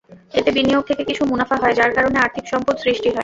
এতে বিনিয়োগ থেকে কিছু মুনাফা হয়, যার কারণে আর্থিক সম্পদ সৃষ্টি হয়।